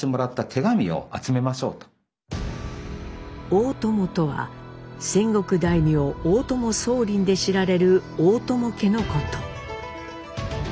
大友とは戦国大名大友宗麟で知られる「大友家」のこと。